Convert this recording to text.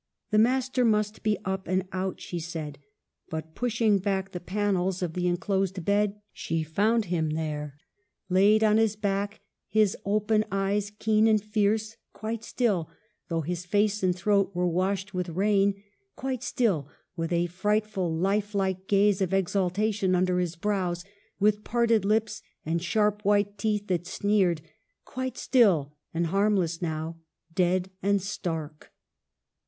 The master must be up or out, she said. But pushing back the panels of the en < WUTHERING HEIGHTS: 277 closed bed, she found him there, laid on his back, his open eyes keen and fierce ; quite still, though his face and throat were washed with rain ; quite still, with a frightful, lifelike gaze of exultation under his brows, with parted lips and sharp white teeth that sneered — quite still and harm less now ; dead and stark.